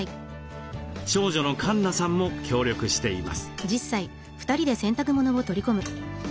長女のかんなさんも協力しています。